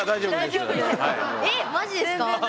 えっマジですか？